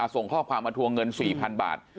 ส่งข้อความมาทวงเงิน๔๐๐๐บาท